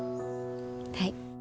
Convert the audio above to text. はい。